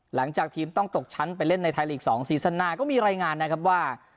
หลังจากทีมต้องตกชั้นไปเล่นในไทยลีก๒ซีซั่นหน้าก็มีรายงานนะครับว่า